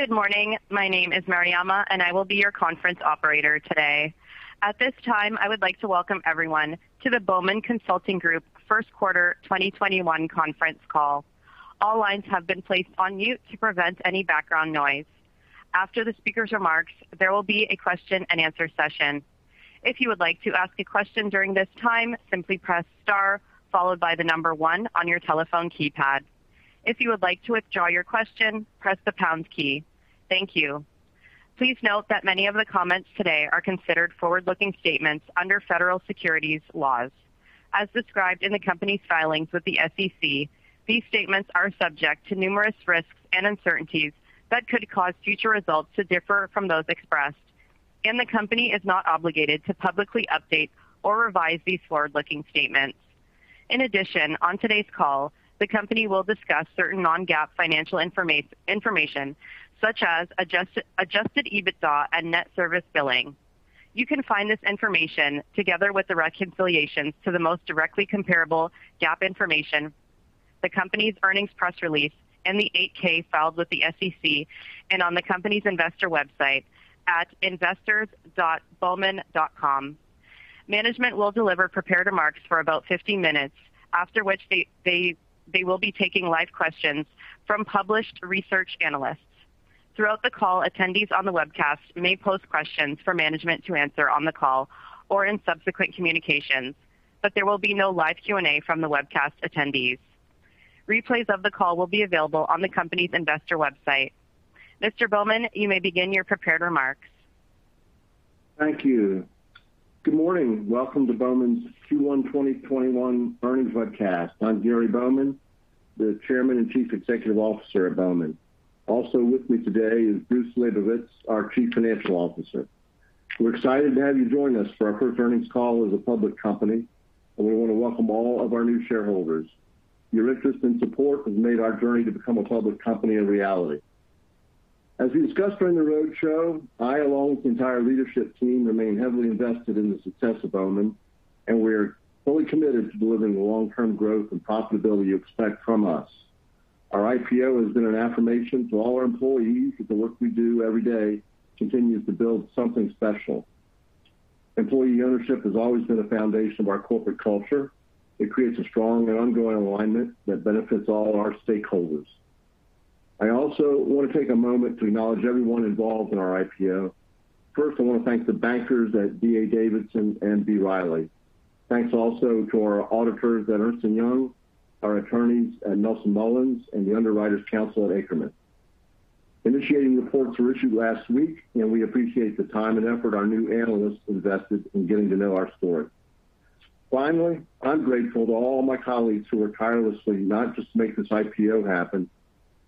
Good morning. My name is Mariama, and I will be your conference operator today. At this time, I would like to welcome everyone to the Bowman Consulting Group first quarter 2021 conference call. All lines have been placed on mute to prevent any background noise. After the speaker's remarks, there will be a question-and-answer session. If you would like to ask a question during this time, simply press star followed by the number one on your telephone keypad. If you would like to withdraw your question, press the pound key. Thank you. Please note that many of the comments today are considered forward-looking statements under federal securities laws. As described in the company's filings with the SEC, these statements are subject to numerous risks and uncertainties that could cause future results to differ from those expressed, and the company is not obligated to publicly update or revise these forward-looking statements. In addition, on today's call, the company will discuss certain non-GAAP financial information, such as adjusted EBITDA and net service billing. You can find this information together with the reconciliation to the most directly comparable GAAP information, the company's earnings press release in the 8-K filed with the SEC, and on the company's investor website at investors.bowman.com. Management will deliver prepared remarks for about 50 minutes, after which they will be taking live questions from published research analysts. Throughout the call, attendees on the webcast may pose questions for management to answer on the call or in subsequent communications, but there will be no live Q&A from the webcast attendees. Replays of the call will be available on the company's investor website. Mr. Bowman, you may begin your prepared remarks. Thank you. Good morning. Welcome to Bowman's Q1 2021 earnings webcast. I'm Gary Bowman, the Chairman and Chief Executive Officer at Bowman. Also with me today is Bruce Labovitz, our Chief Financial Officer. We're excited to have you join us for our first earnings call as a public company, and we want to welcome all of our new shareholders. Your interest and support have made our journey to become a public company a reality. As we discussed during the roadshow, I, along with the entire leadership team, remain heavily invested in the success of Bowman, and we are fully committed to delivering the long-term growth and profitability you expect from us. Our IPO has been an affirmation to all our employees that the work we do every day continues to build something special. Employee ownership has always been a foundation of our corporate culture. It creates a strong and ongoing alignment that benefits all our stakeholders. I also want to take a moment to acknowledge everyone involved in our IPO. First, I want to thank the bankers at D.A. Davidson and B. Riley. Thanks also to our auditors at Ernst & Young, our attorneys at Nelson Mullins, and the underwriters counsel at Akerman. Initiating reports were issued last week, and we appreciate the time and effort our new analysts invested in getting to know our story. Finally, I'm grateful to all my colleagues who work tirelessly not just to make this IPO happen,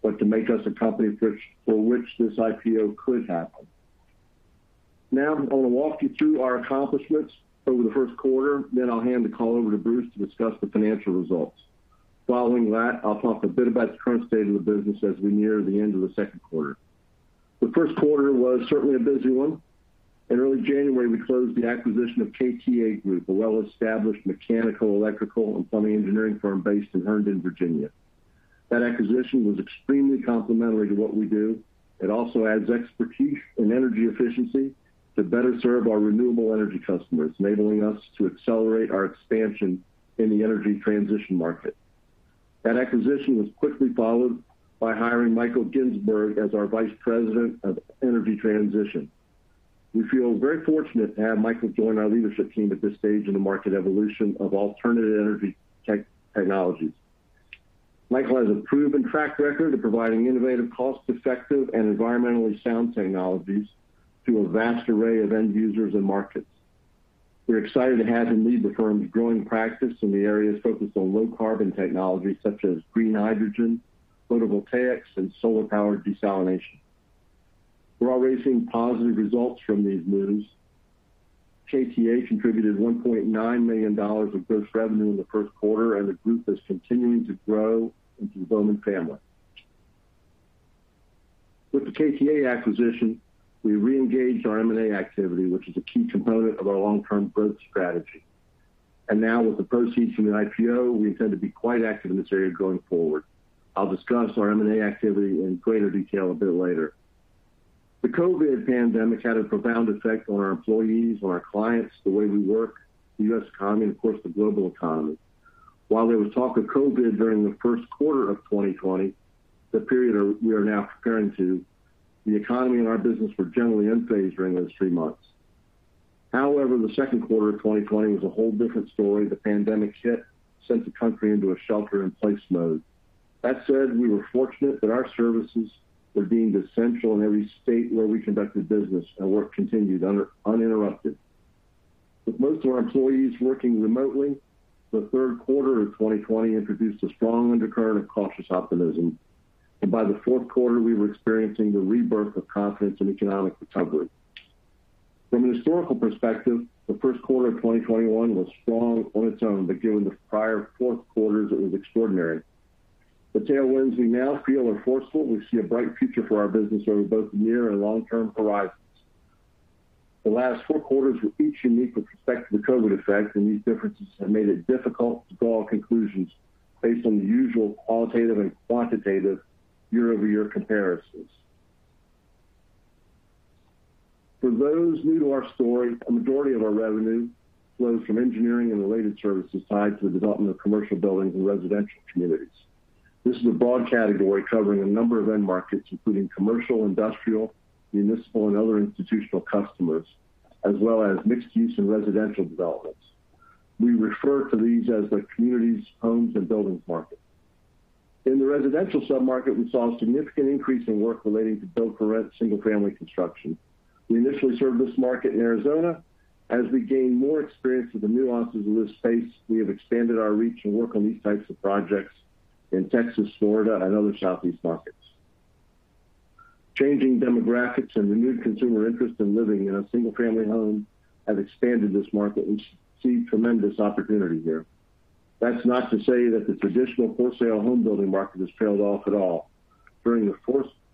but to make us a company for which this IPO could happen. Now, I'm going to walk you through our accomplishments over the first quarter, then I'll hand the call over to Bruce to discuss the financial results. Following that, I'll talk a bit about the current state of the business as we near the end of the second quarter. The first quarter was certainly a busy one. In early January, we closed the acquisition of KTA Group, a well-established mechanical, electrical, and plumbing engineering firm based in Herndon, Virginia. That acquisition was extremely complementary to what we do. It also adds expertise in energy efficiency to better serve our renewable energy customers, enabling us to accelerate our expansion in the energy transition market. That acquisition was quickly followed by hiring Michael Ginsberg as our Vice President of Energy Transition. We feel very fortunate to have Michael join our leadership team at this stage in the market evolution of alternative energy technologies. Michael has a proven track record of providing innovative, cost-effective, and environmentally sound technologies to a vast array of end users and markets. We're excited to have him lead the firm's growing practice in the areas focused on low carbon technologies such as green hydrogen, photovoltaics, and solar powered desalination. We're already seeing positive results from these moves. KTA contributed $1.9 million of gross revenue in the first quarter, and the group is continuing to grow into the Bowman family. With the KTA acquisition, we reengaged our M&A activity, which is a key component of our long-term growth strategy. Now with the proceeds from the IPO, we intend to be quite active in this area going forward. I'll discuss our M&A activity in greater detail a bit later. The COVID pandemic had a profound effect on our employees, on our clients, the way we work, the U.S. economy, of course, the global economy. While there was talk of COVID during the first quarter of 2020, the period we are now comparing to, the economy and our business were generally unfazed during those three months. However, the second quarter of 2020 was a whole different story. The pandemic hit, sent the country into a shelter in place mode. That said, we were fortunate that our services were deemed essential in every state where we conducted business, and work continued uninterrupted. With most of our employees working remotely, the third quarter of 2020 introduced a strong undercurrent of cautious optimism, and by the fourth quarter, we were experiencing the rebirth of confidence and economic recovery. From a historical perspective, the first quarter of 2021 was strong on its own, but given the prior fourth quarter, it was extraordinary. Tailwinds, we now feel and are forceful we see a bright future for our business over both the near and long term horizon. The last four quarters were each unique with respect to the COVID effects, and these differences have made it difficult to draw conclusions based on the usual qualitative and quantitative year-over-year comparisons. For those new to our story, the majority of our revenue flows from engineering and related services tied to the development of commercial buildings and residential communities. This is a broad category covering a number of end markets, including commercial, industrial, municipal, and other institutional customers, as well as mixed-use and residential developments. We refer to these as the communities, homes, and buildings market. In the residential sub-market, we saw a significant increase in work relating to Build-for-Rent Single Family construction. We initially served this market in Arizona. As we gained more experience with the nuances of this space, we have expanded our reach and work on these types of projects in Texas, Florida, and other Southeast markets. Changing demographics and renewed consumer interest in living in a single family home have expanded this market, and we see tremendous opportunity here. That's not to say that the traditional for-sale home building market has trailed off at all. During the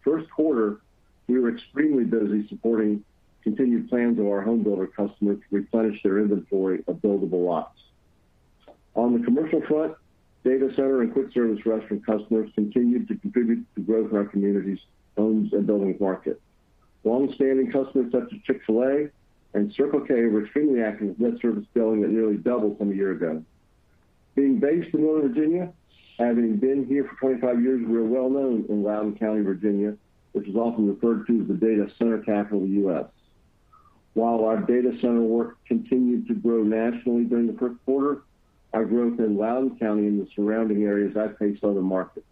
first quarter, we were extremely busy supporting continued plans of our home builder customers to replenish their inventory of buildable lots. On the commercial front, data center and quick service restaurant customers continued to contribute to the growth of our communities, homes, and buildings market. Long-standing customers such as Chick-fil-A and Circle K were extremely active in this service, doubling at nearly double from a year ago. Being based in Northern Virginia, having been here for 25 years, we are well known in Loudoun County, Virginia, which is often referred to as the data center capital of the U.S. While our data center work continued to grow nationally during the fourth quarter, our growth in Loudoun County and the surrounding areas outpaced other markets.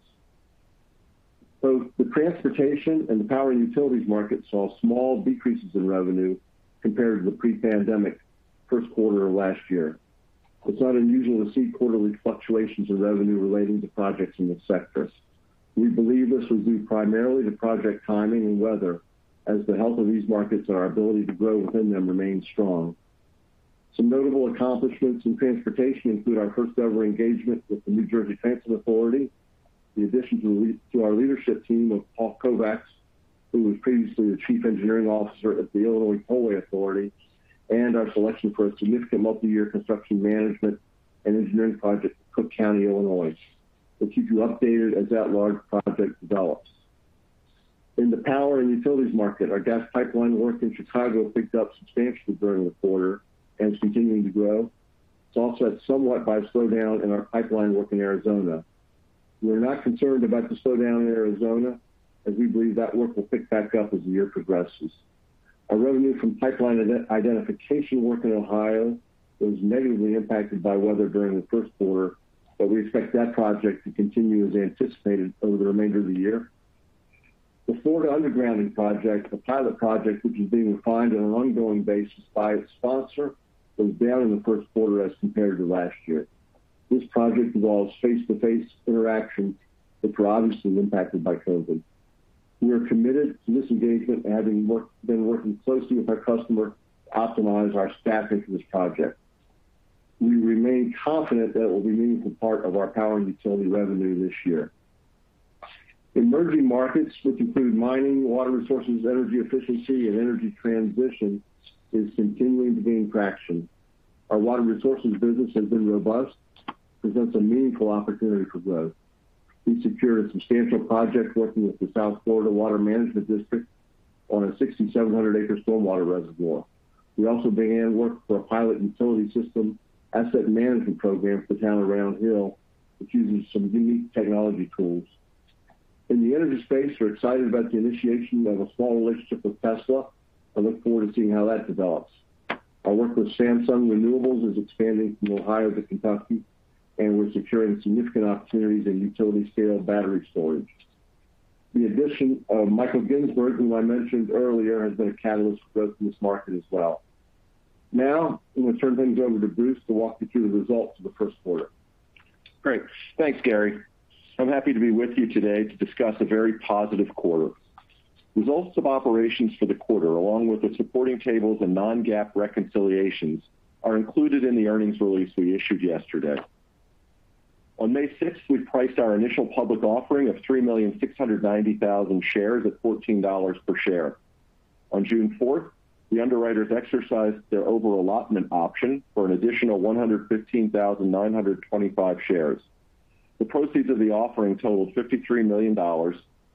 Both the transportation and power utilities market saw small decreases in revenue compared to the pre-pandemic first quarter of last year. It's not unusual to see quarterly fluctuations in revenue relating to projects in this sectors. We believe this was due primarily to project timing and weather as the health of these markets and our ability to grow within them remain strong. Some notable accomplishments in transportation include our first ever engagement with the New Jersey Turnpike Authority, the addition to our leadership team of Paul Kovacs, who was previously the Chief Engineering Officer at the Illinois Tollway Authority, and our selection for a significant multi-year construction management and engineering project in Cook County, Illinois. We'll keep you updated as that large project develops. In the power and utilities market, our gas pipeline work in Chicago picked up substantially during the quarter and is continuing to grow. It's offset somewhat by a slowdown in our pipeline work in Arizona. We are not concerned about the slowdown in Arizona, as we believe that work will pick back up as the year progresses. Our revenue from pipeline identification work in Ohio was negatively impacted by weather during the first quarter, but we expect that project to continue as anticipated over the remainder of the year. The Florida undergrounding project, a pilot project which is being refined on an ongoing basis by its sponsor, was down in the first quarter as compared to last year. This project involves face-to-face interactions which are obviously impacted by COVID. We are committed to this engagement, having been working closely with our customer to optimize our staffing for this project. We remain confident that will be a meaningful part of our power and utility revenue this year. Emerging markets, which include mining, water resources, energy efficiency, and energy transition, is continuing to gain traction. Our water resources business has been robust and presents a meaningful opportunity for growth. We secured a substantial project working with the South Florida Water Management District on a 6,700-acre stormwater reservoir. We also began work for a pilot utility system asset management program for the town of Round Hill, which uses some unique technology tools. In the energy space, we're excited about the initiation of a small relationship with Tesla. I look forward to seeing how that develops. Our work with Samsung Renewables is expanding from Ohio to Kentucky, and we're securing significant opportunities in utility-scale battery storage. The addition of Michael Ginsberg, whom I mentioned earlier, has been a catalyst for growth in this market as well. Now, I'm going to turn things over to Bruce to walk you through the results of the first quarter. Great. Thanks, Gary. I'm happy to be with you today to discuss a very positive quarter. Results of operations for the quarter, along with the supporting tables and non-GAAP reconciliations, are included in the earnings release we issued yesterday. On May 6, we priced our initial public offering of 3,690,000 shares at $14 per share. On June 4th, the underwriters exercised their over-allotment option for an additional 115,925 shares. The proceeds of the offering totaled $53 million,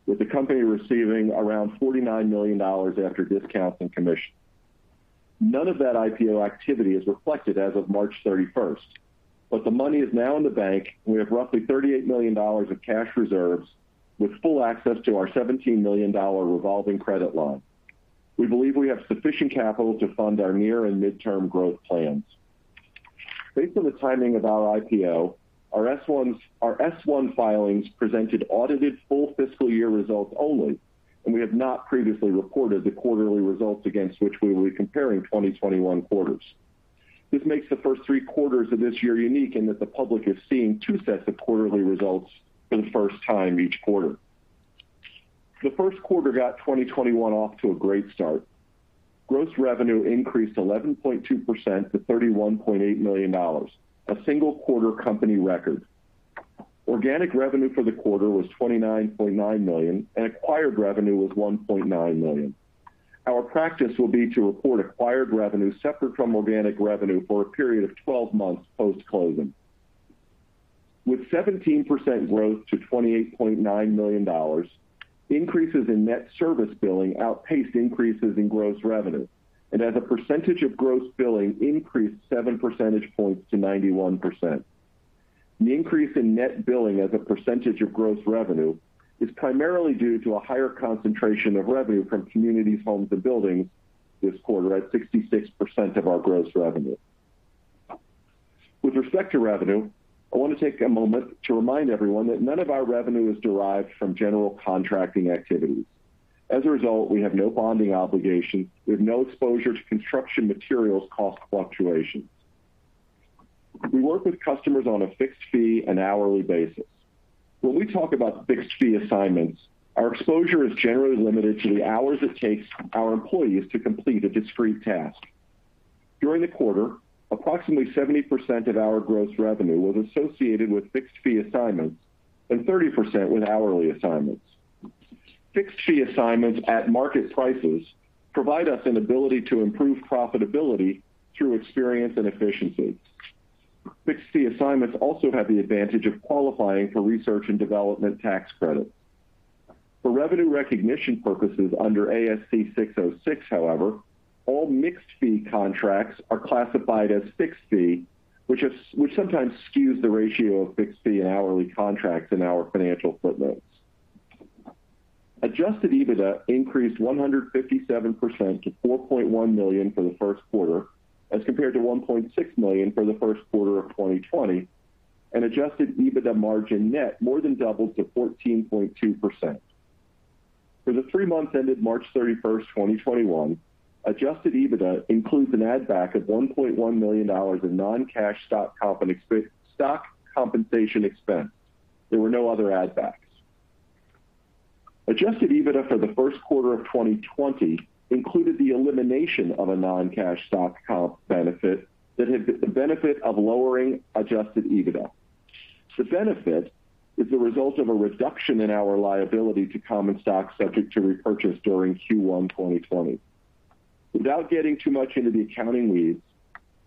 with the company receiving around $49 million after discounts and commissions. None of that IPO activity is reflected as of March 31st, but the money is now in the bank, and we have roughly $38 million of cash reserves with full access to our $17 million revolving credit line. We believe we have sufficient capital to fund our near and midterm growth plans. Based on the timing of our IPO, our S-1 filings presented audited full fiscal year results only, and we have not previously recorded the quarterly results against which we will be comparing 2021 quarters. This makes the first three quarters of this year unique in that the public is seeing two sets of quarterly results for the first time each quarter. The first quarter got 2021 off to a great start. Gross revenue increased 11.2% to $31.8 million, a single quarter company record. Organic revenue for the quarter was $29.9 million, and acquired revenue was $1.9 million. Our practice will be to report acquired revenue separate from organic revenue for a period of 12 months post-closing. With 17% growth to $28.9 million, increases in net service billing outpaced increases in gross revenue, and as a percentage of gross billing increased 7 percentage points to 91%. The increase in net service billing as a percentage of gross revenue is primarily due to a higher concentration of revenue from Communities, Homes, and Buildings this quarter at 66% of our gross revenue. With respect to revenue, I want to take a moment to remind everyone that none of our revenue is derived from general contracting activities. As a result, we have no bonding obligations. We have no exposure to construction materials cost fluctuations. We work with customers on a fixed fee and hourly basis. When we talk about fixed fee assignments, our exposure is generally limited to the hours it takes our employees to complete a discrete task. During the quarter, approximately 70% of our gross revenue was associated with fixed fee assignments and 30% with hourly assignments. Fixed fee assignments at market prices provide us an ability to improve profitability through experience and efficiency. Fixed fee assignments also have the advantage of qualifying for research and development tax credits. For revenue recognition purposes under ASC 606, however, all mixed fee contracts are classified as fixed fee, which sometimes skews the ratio of fixed fee and hourly contracts in our financial footnotes. Adjusted EBITDA increased 157% to $4.1 million for the first quarter as compared to $1.6 million for the first quarter of 2020, and adjusted EBITDA margin net more than doubled to 14.2%. For the three months ended March 31st, 2021, adjusted EBITDA includes an add back of $1.1 million in non-cash stock compensation expense. There were no other add backs. Adjusted EBITDA for the first quarter of 2020 included the elimination of a non-cash stock benefit that had the benefit of lowering adjusted EBITDA. The benefit is the result of a reduction in our liability to common stock subject to repurchase during Q1 2020. Without getting too much into the accounting weeds,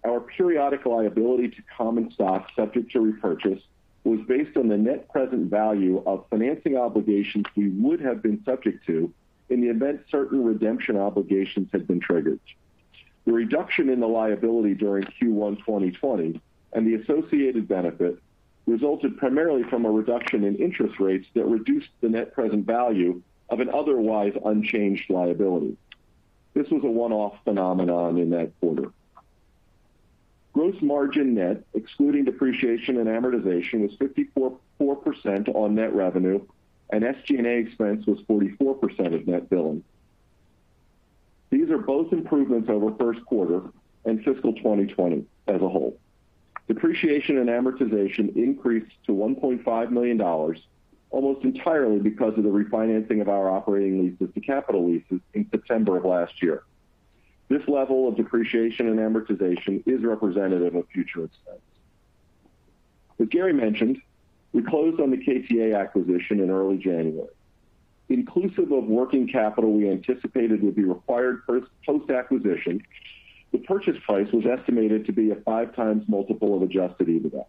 our periodic liability to common stock subject to repurchase was based on the net present value of financing obligations we would have been subject to in the event certain redemption obligations had been triggered. The reduction in the liability during Q1 2020 and the associated benefit resulted primarily from a reduction in interest rates that reduced the net present value of an otherwise unchanged liability. This was a one-off phenomenon in that quarter. Gross margin net, excluding depreciation and amortization, was 54% on net revenue, and SG&A expense was 44% of net billing. These are both improvements over first quarter and fiscal 2020 as a whole. Depreciation and amortization increased to $1.5 million almost entirely because of the refinancing of our operating leases to capital leases in September of last year. This level of depreciation and amortization is representative of future expense. As Gary mentioned, we closed on the KTA acquisition in early January. Inclusive of working capital we anticipated would be required post-acquisition, the purchase price was estimated to be a five times multiple of adjusted EBITDA.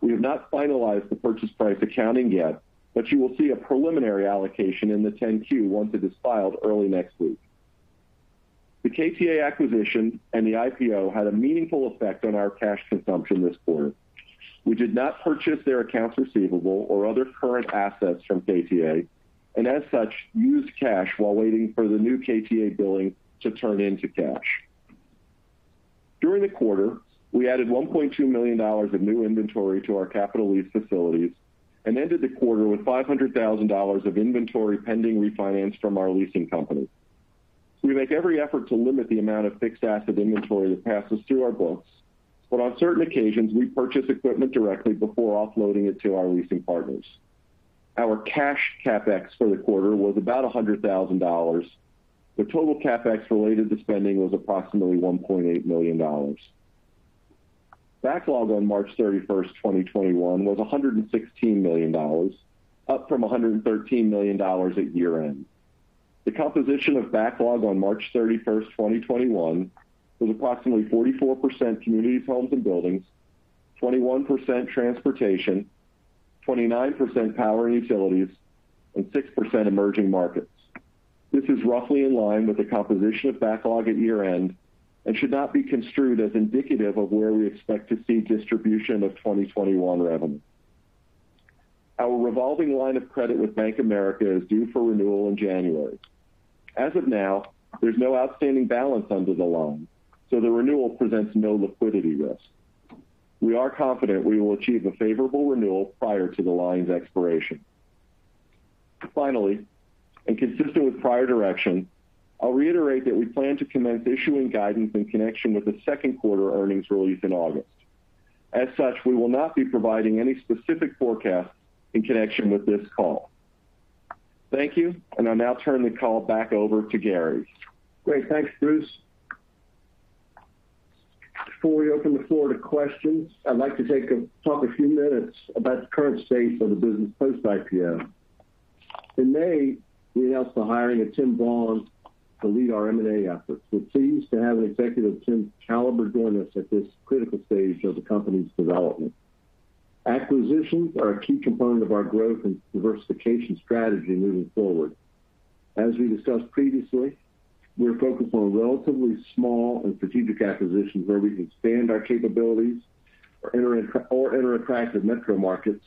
We have not finalized the purchase price accounting yet, but you will see a preliminary allocation in the 10-Q once it is filed early next week. The KTA acquisition and the IPO had a meaningful effect on our cash consumption this quarter. We did not purchase their accounts receivable or other current assets from KTA, and as such, used cash while waiting for the new KTA billing to turn into cash. During the quarter, we added $1.2 million of new inventory to our capital lease facilities and ended the quarter with $500,000 of inventory pending refinance from our leasing company. We make every effort to limit the amount of fixed asset inventory that passes through our books, but on certain occasions, we purchase equipment directly before offloading it to our leasing partners. Our cash CapEx for the quarter was about $100,000, but total CapEx related to spending was approximately $1.8 million. Backlog on March 31st, 2021, was $116 million, up from $113 million at year-end. The composition of backlog on March 31st, 2021, was approximately 44% communities, homes, and buildings, 21% transportation, 29% power and utilities, and 6% emerging markets. This is roughly in line with the composition of backlog at year-end and should not be construed as indicative of where we expect to see distribution of 2021 revenue. Our revolving line of credit with Bank of America is due for renewal in January. As of now, there's no outstanding balance under the loan, so the renewal presents no liquidity risk. We are confident we will achieve a favorable renewal prior to the line's expiration. Finally, and consistent with prior direction, I'll reiterate that we plan to commence issuing guidance in connection with the second quarter earnings release in August. As such, we will not be providing any specific forecast in connection with this call. Thank you, and I'll now turn the call back over to Gary. Great. Thanks, Bruce. Before we open the floor to questions, I'd like to talk, probably, a few minutes about the current state of the business post-IPO. In May, we announced the hiring of Tim Vaughan to lead our M&A efforts. We're pleased to have an executive of Tim's caliber join us at this critical stage of the company's development. Acquisitions are a key component of our growth and diversification strategy moving forward. As we discussed previously, we are focused on relatively small and strategic acquisitions where we can expand our capabilities or enter attractive metro markets,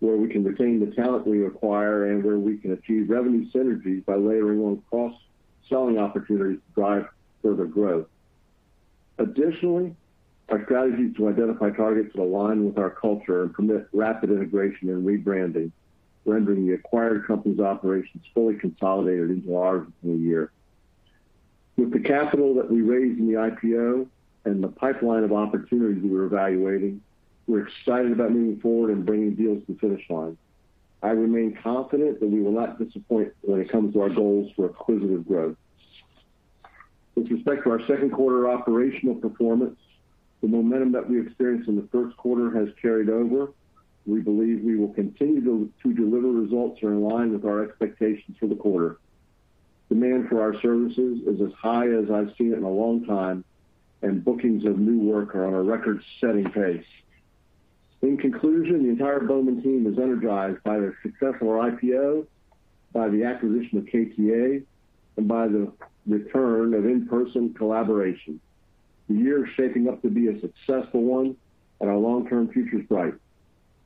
where we can retain the talent we acquire, and where we can achieve revenue synergies by layering on cross-selling opportunities to drive further growth. Additionally, our strategy is to identify targets that align with our culture and permit rapid integration and rebranding, rendering the acquired company's operations fully consolidated into ours within a year. With the capital that we raised in the IPO and the pipeline of opportunities we are evaluating, we're excited about moving forward and bringing deals to the finish line. I remain confident that we will not disappoint when it comes to our goals for acquisitive growth. With respect to our second quarter operational performance, the momentum that we experienced in the first quarter has carried over. We believe we will continue to deliver results that are in line with our expectations for the quarter. Demand for our services is as high as I've seen it in a long time, and bookings of new work are on a record-setting pace. In conclusion, the entire Bowman team is energized by their successful IPO, by the acquisition of KTA, and by the return of in-person collaboration. The year is shaping up to be a successful one, and our long-term future is bright.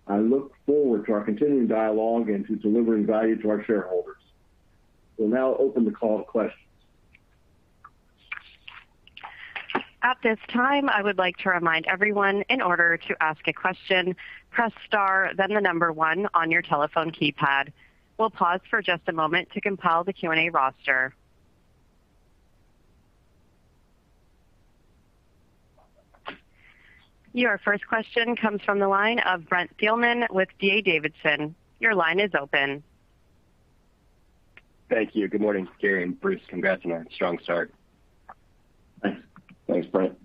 I look forward to our continuing dialogue and to delivering value to our shareholders. We will now open the call to questions. At this time, I would like to remind everyone, in order to ask a question, press star then the number one on your telephone keypad. We'll pause for just a moment to compile the Q&A roster. Your first question comes from the line of Brent Thielman with D.A. Davidson. Your line is open. Thank you. Good morning, Gary and Bruce. Congrats on your strong start. Thanks. Thanks, Brent.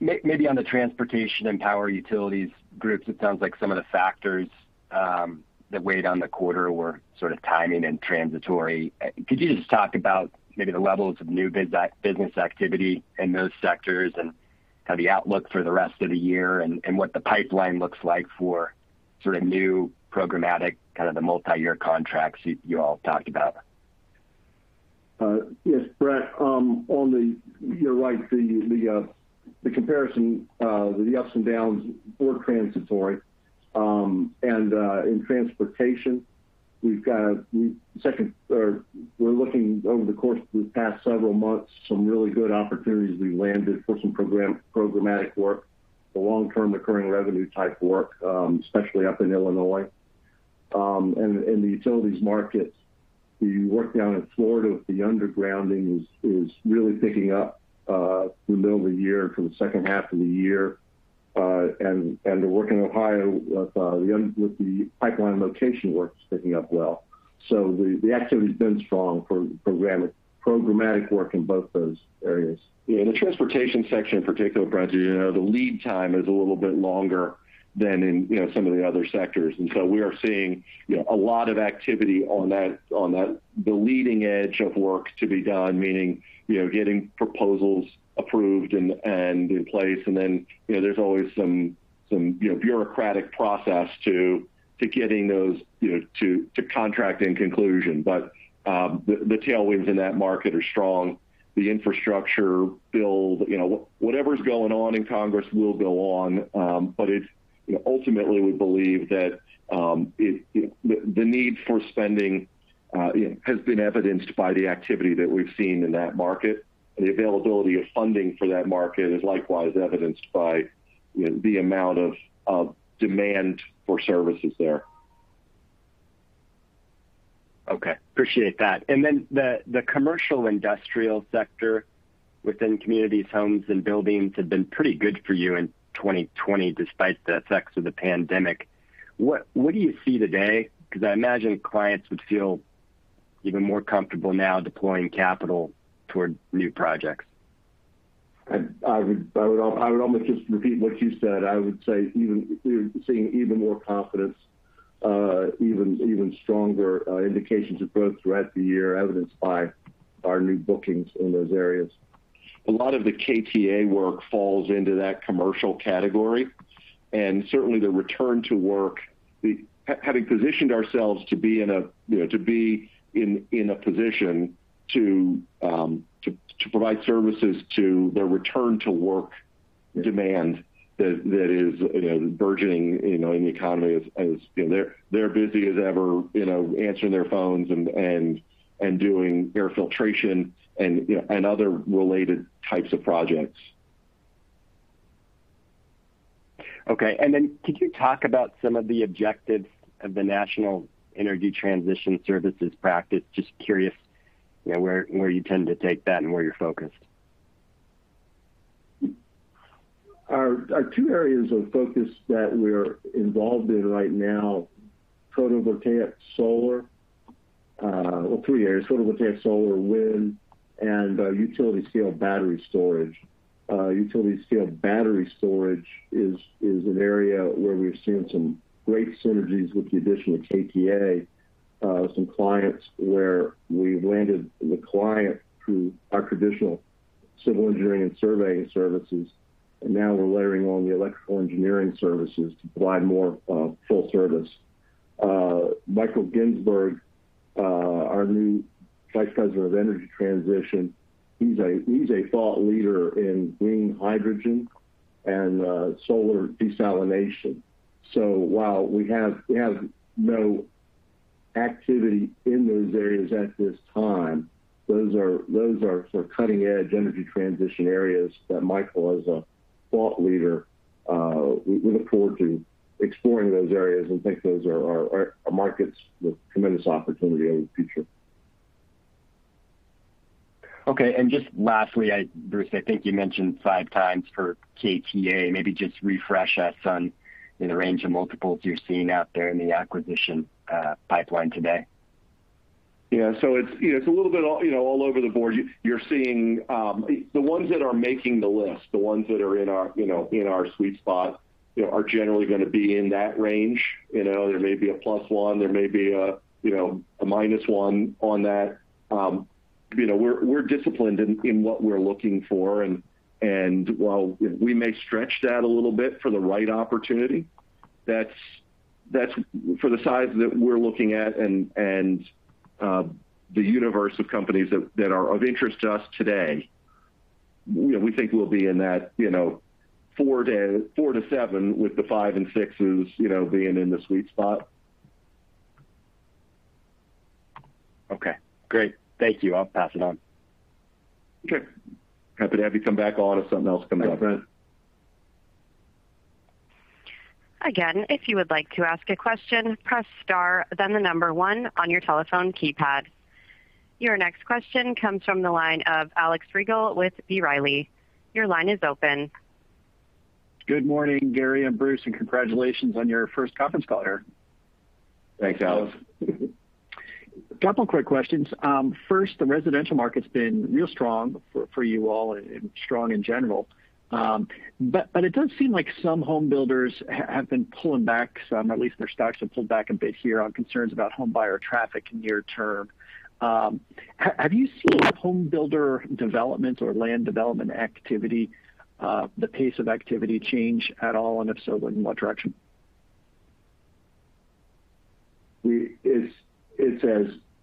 Maybe on the transportation and power utilities groups, it sounds like some of the factors that weighed on the quarter were sort of timing and transitory. Could you just talk about maybe the levels of new business activity in those sectors, and kind of the outlook for the rest of the year, and what the pipeline looks like for new programmatic, kind of the multi-year contracts you all talked about? Yes, Brent. You're right. The comparison, the ups and downs were transitory. In transportation, we got second, third, we're looking over the course of the past several months, some really good opportunities we landed for some programmatic work, the long-term recurring revenue type work, especially up in Illinois. In the utilities market, the work down in Florida with the undergrounding is really picking up through the middle of the year, through the second half of the year. The work in Ohio with the pipeline location work is picking up well. The activity's been strong for programmatic work in both those areas. Yeah, in the transportation section in particular, Brent, the lead time is a little bit longer than in some of the other sectors. We are seeing a lot of activity on the leading edge of work to be done, meaning getting proposals approved and in place, and then there's always some bureaucratic process to getting those to contract and conclusion. The tailwinds in that market are strong. The infrastructure build, whatever's going on in Congress will go on. Ultimately, we believe that the need for spending has been evidenced by the activity that we've seen in that market, and the availability of funding for that market is likewise evidenced by the amount of demand for services there. Okay. Appreciate that. The commercial industrial sector within communities, homes, and buildings have been pretty good for you in 2020, despite the effects of the pandemic. What do you see today? I imagine clients would feel even more comfortable now deploying capital toward new projects. I would almost just repeat what you said. I would say we're seeing even more confidence, even stronger indications of growth throughout the year, evidenced by our new bookings in those areas. A lot of the KTA work falls into that commercial category, and certainly the return to work, having positioned ourselves to be in a position to provide services to the return-to-work demand that is burgeoning in the economy as they're busy as ever answering their phones and doing air filtration and other related types of projects. Okay. Then could you talk about some of the objectives of the National Energy Transition Services practice? Just curious where you tend to take that and where you're focused. Our two areas of focus that we're involved in right now, photovoltaic solar, wind, and utility-scale battery storage. Utility-scale battery storage is an area where we've seen some great synergies with the addition of KTA. Some clients where we landed the client through our traditional civil engineering and surveying services, and now we're layering on the electrical engineering services to provide more full service. Michael Ginsberg, our new Vice President of energy transition, he's a thought leader in green hydrogen and solar desalination. While we have no activity in those areas at this time, those are cutting-edge energy transition areas that Michael is a thought leader. We look forward to exploring those areas and think those are our markets with tremendous opportunity over the future. Okay. Just lastly, Bruce, I think you mentioned five times for KTA. Maybe just refresh us on the range of multiples you're seeing out there in the acquisition pipeline today. Yeah. It's a little bit all over the board. You're seeing the ones that are making the list, the ones that are in our sweet spot, are generally going to be in that range. There may be a plus one, there may be a minus one on that. We're disciplined in what we're looking for, and while we may stretch that a little bit for the right opportunity, for the size that we're looking at and the universe of companies that are of interest to us today, we think we'll be in that four to seven with the five and sixes being in the sweet spot. Okay, great. Thank you. I'll pass it on. Okay. Happy to have you come back on if something else comes up. You bet. Again, if you would like to ask a question, press star then the number one on your telephone keypad. Your next question comes from the line of Alex Rygiel with B. Riley. Your line is open. Good morning, Gary and Bruce, and congratulations on your first conference call here. Thanks, Alex. A couple quick questions. First, the residential market's been real strong for you all and strong in general. It does seem like some home builders have been pulling back some, at least their stocks have pulled back a bit here on concerns about home buyer traffic near term. Have you seen home builder development or land development activity, the pace of activity change at all? If so, in what direction? It's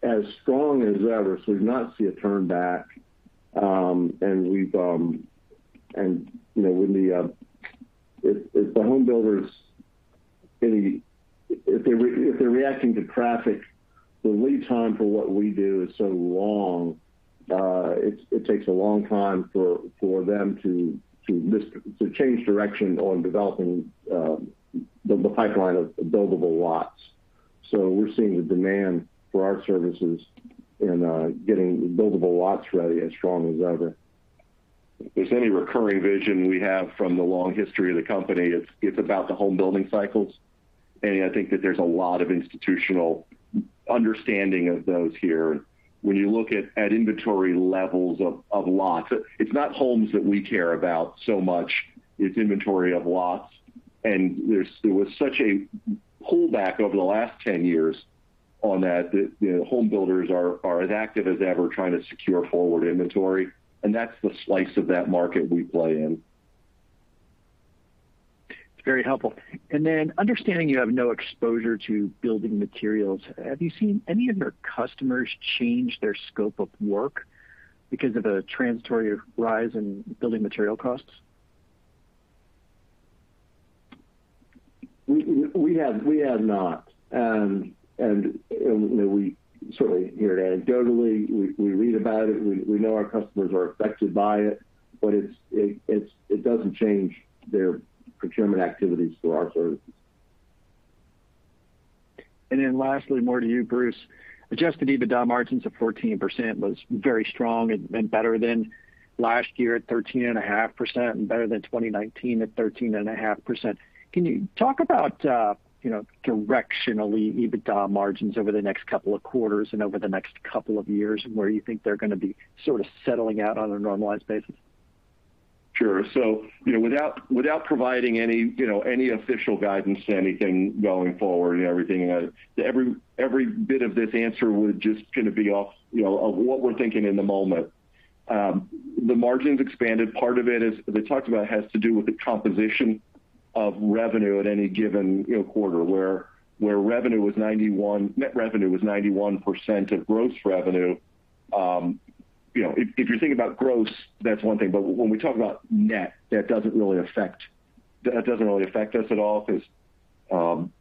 as strong as ever, we've not seen a turn back. If the home builders, if they're reacting to traffic, the lead time for what we do is so long. It takes a long time for them to change direction on developing the pipeline of buildable lots. We're seeing the demand for our services in getting buildable lots ready as strong as ever. If there's any recurring vision we have from the long history of the company, it's about the home building cycles. I think that there's a lot of institutional understanding of those here. When you look at inventory levels of lots, it's not homes that we care about so much, it's inventory of lots. There was such a pullback over the last 10 years on that home builders are as active as ever trying to secure forward inventory. That's the slice of that market we play in. Very helpful. Then understanding you have no exposure to building materials, have you seen any of your customers change their scope of work because of a transitory rise in building material costs? We have not. We certainly hear it anecdotally. We read about it. We know our customers are affected by it, but it doesn't change their procurement activities for our services. Lastly, more to you, Bruce. Adjusted EBITDA margins of 14% was very strong. It's been better than last year, 13.5%, and better than 2019 at 13.5%. Can you talk about directionally EBITDA margins over the next couple of quarters and over the next couple of years and where you think they're going to be sort of settling out on a normalized basis? Sure. Without providing any official guidance to anything going forward and everything, every bit of this answer was just going to be off of what we're thinking in the moment. The margins expanded. Part of it is, as we talked about, has to do with the composition of revenue at any given quarter, where net revenue was 91% of gross revenue. If you're thinking about gross, that's one thing. When we talk about net, that doesn't really affect us at all because when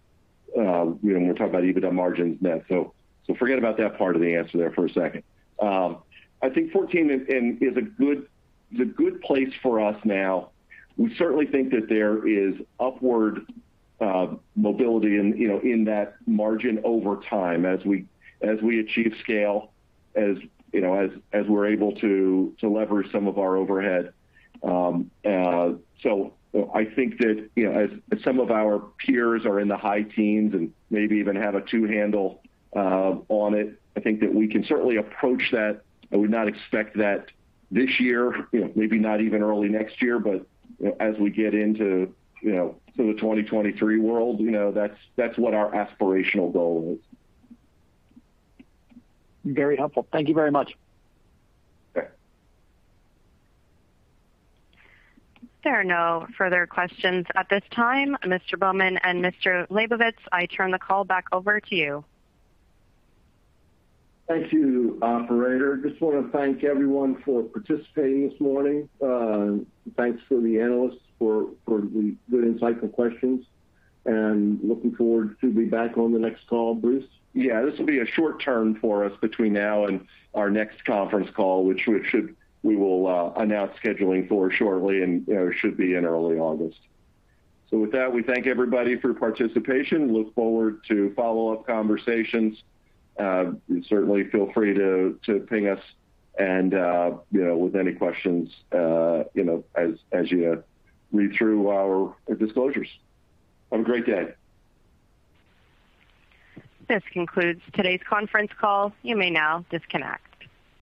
we're talking about EBITDA margins net, forget about that part of the answer there for a sec. I think 14% is a good place for us now. We certainly think that there is upward mobility in that margin over time as we achieve scale, as we're able to leverage some of our overhead. I think that as some of our peers are in the high teens and maybe even have a two handle on it, I think that we can certainly approach that. I would not expect that this year, maybe not even early next year, but as we get into the 2023 world, that's what our aspirational goal is. Very helpful. Thank you very much. Sure. There are no further questions at this time. Mr. Bowman and Mr. Labovitz, I turn the call back over to you. Thank you, operator. Just want to thank everyone for participating this morning. Thanks to the analysts for the good insightful questions, and looking forward to be back on the next call, Bruce. Yes. This will be a short turn for us between now and our next conference call, which we will announce scheduling for shortly and should be in early August. With that, we thank everybody for participation. Look forward to follow-up conversations. Certainly feel free to ping us with any questions as you read through our disclosures. Have a great day. This concludes today's conference call. You may now disconnect.